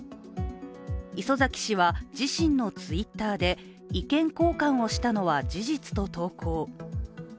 磯崎氏は自身のＴｗｉｔｔｅｒで意見交換をしたのは事実と投稿。